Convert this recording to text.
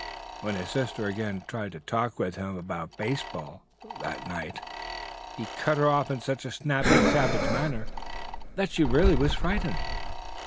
When his sister again tried to talk with him about baseball that night he cut her off in such a snappy, savage manner that she was really frightened.